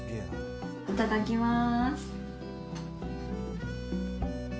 いただきます。